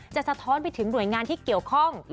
สะท้อนไปถึงหน่วยงานที่เกี่ยวข้อง